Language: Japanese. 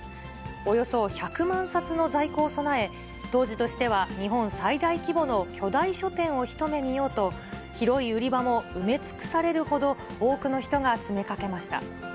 およそ１００万冊の在庫を備え、当時としては日本最大規模の巨大書店を一目見ようと、広い売り場も埋め尽くされるほど、多くの人が詰めかけました。